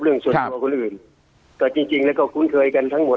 เรื่องส่วนตัวคนอื่นก็จริงจริงแล้วก็คุ้นเคยกันทั้งหมด